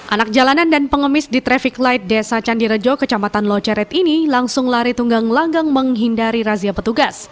anak jalanan dan pengemis di traffic light desa candirejo kecamatan loceret ini langsung lari tunggang langgang menghindari razia petugas